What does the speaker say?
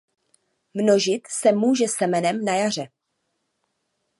Množit se může semenem na jaře.